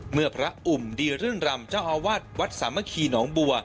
เมื่อพระอุ่มดีเรื่องรำเจ้าอาวาสวัดสามัคคีหนองบัว